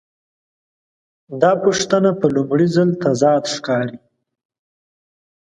دا پوښتنه په لومړي ځل تضاد ښکاري.